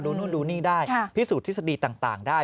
นู่นดูนี่ได้พิสูจนทฤษฎีต่างได้